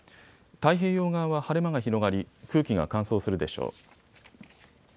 太平洋側は晴れ間が広がり空気が乾燥するでしょう。